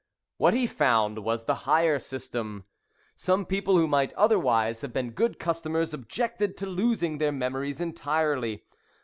What he found was "The Hire System." Some people who might otherwise have been good customers objected to losing their memories entirely.